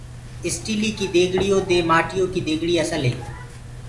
اسٽيليِ ڪي ديگڙيو دي مآٽيو ڪي ديگڙي اسل هي۔